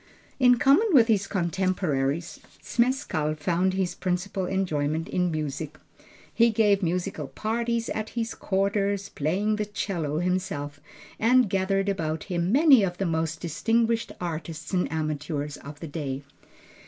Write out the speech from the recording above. In common with his contemporaries, Zmeskall found his principal enjoyment in music. He gave musical parties at his quarters, playing the cello himself, and gathered about him many of the most distinguished artists and amateurs of the day.